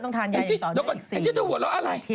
ต้องทานยายอย่างตอนนี้อีก๔วันอาทิตย์ไอ้จิ๊เธอหัวเราะอะไร